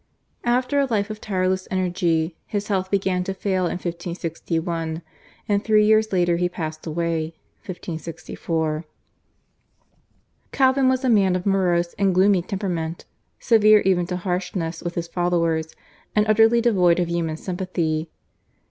After a life of tireless energy his health began to fail in 1561, and three years later he passed away (1564). Calvin was a man of morose and gloomy temperament, severe even to harshness with his followers, and utterly devoid of human sympathy.